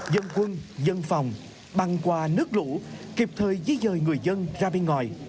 dân quân dân phòng băng qua nước lũ kịp thời dí dời người dân ra bên ngoài